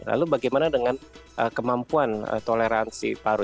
lalu bagaimana dengan kemampuan toleransi paru